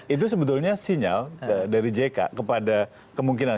itu sebetulnya sinyal dari jk kepada kemungkinan